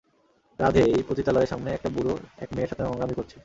রাধে, ওই পতিতালয়ের সামনে একটা বুড়ো এক মেয়ের সাথে নোংরামি করছে।